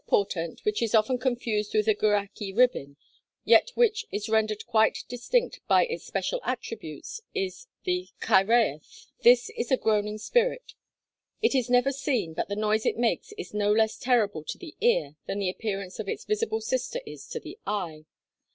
A death portent which is often confused with the Gwrach y Rhibyn, yet which is rendered quite distinct by its special attributes, is the Cyhyraeth. This is a groaning spirit. It is never seen, but the noise it makes is no less terrible to the ear than the appearance of its visible sister is to the eye.